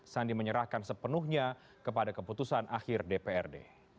sandi menyerahkan sepenuhnya kepada keputusan akhir dprd